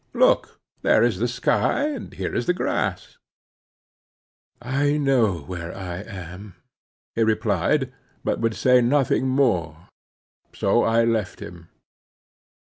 Look, there is the sky, and here is the grass." "I know where I am," he replied, but would say nothing more, and so I left him.